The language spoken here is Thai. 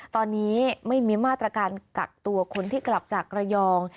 ตอนนี้ไม่มีมาตรการกักตัวคนที่กลับจากระยอง